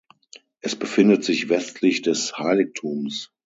Es befindet sich westlich des Heiligtums.